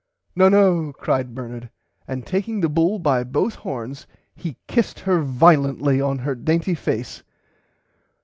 No no cried Bernard and taking the bull by both horns he kissed her violently on her dainty face.